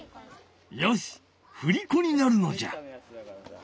よしふりこになるのじゃ！